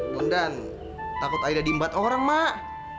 bundan takut aida dimbat orang mak